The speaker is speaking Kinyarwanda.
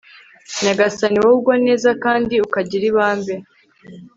nyagasani, wowe ugwa neza kandi ukagira ibambe